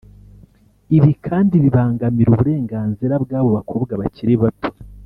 Ibi kandi bibangamira uburenganzira bw’abo bakobwa bakiri bato